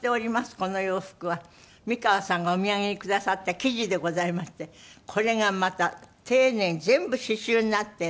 この洋服は美川さんがお土産にくださった生地でございましてこれがまた丁寧に全部刺しゅうになってる。